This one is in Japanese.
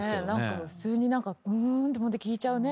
普通にふーんと思って聞いちゃうね